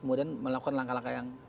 kemudian melakukan langkah langkah yang